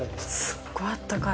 ◆すごいあったかい。